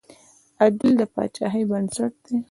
عدل د پاچاهۍ بنسټ دی.